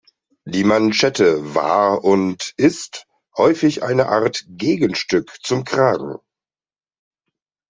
Die Manschette war und ist häufig eine Art Gegenstück zum Kragen.